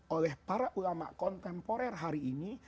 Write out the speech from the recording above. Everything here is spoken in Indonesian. oleh para ulama kontemporer hari ini